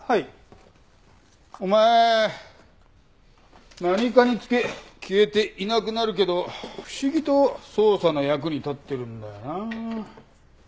お前何かにつけ消えていなくなるけど不思議と捜査の役に立ってるんだよな。